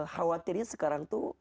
khawatirnya sekarang tuh